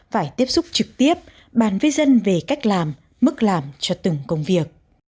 phải tiếp xúc trực tiếp bàn với dân về cách làm mức làm cho từng công việc